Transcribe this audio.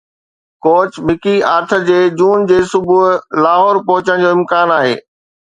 coach Mickey Arthur جي June جي صبح لاهور پهچڻ جو امڪان آهي